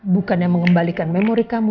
bukannya mengembalikan memori kamu